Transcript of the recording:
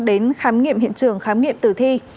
đến khám nghiệm hiện trường khám nghiệm tử thi